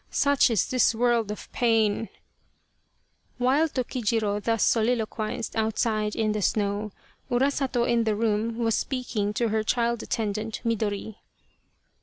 Such is this world of pain !" While Tokijiro thus soliloquized outside in the snow, Urasato in the room was speaking to her child attendant, Midori.